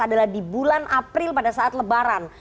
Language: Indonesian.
adalah di bulan april pada saat lebaran